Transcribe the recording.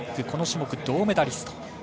この種目銅メダリスト。